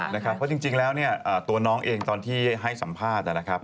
เพราะจริงแล้วตัวน้องเองตอนที่ให้สัมภาษณ์